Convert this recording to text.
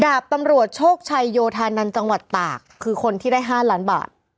ดาบตำรวจโชคชัยโยธานันต์จังหวัดตากคือคนที่ได้๕ล้านบาท